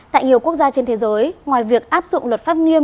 tại nhiều quốc gia trên thế giới ngoài việc áp dụng luật pháp nghiêm